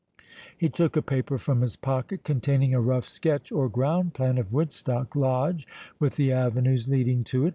He took a paper from his pocket, containing a rough sketch or ground plan of Woodstock Lodge, with the avenues leading to it.